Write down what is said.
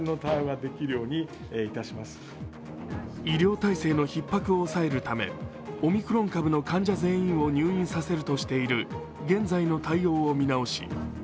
医療体制のひっ迫を抑えるためオミクロン株の患者全員を入院させるとしている現在の対応を見直し